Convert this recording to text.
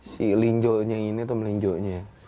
si linjonya ini tuh melinjonya